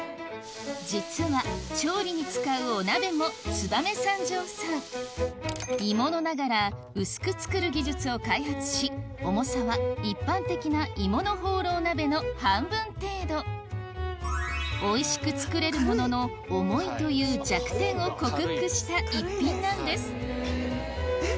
実は調理に使うお鍋も燕三条産鋳物ながら薄くつくる技術を開発し重さは一般的な鋳物ホーロー鍋の半分程度おいしくつくれるものの重いという弱点を克服した逸品なんですえっ？